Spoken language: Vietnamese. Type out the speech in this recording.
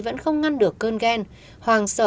vẫn không ngăn được cơn ghen hoàng